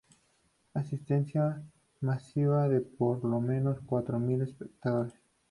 Asistencia masiva de por lo menos cuatro mil espectadores.